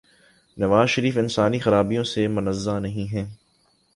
نوازشریف انسانی خرابیوں سے منزہ نہیں ہیں۔